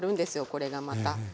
これがまた。